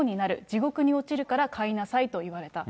地獄に落ちるから買いなさいと言われた。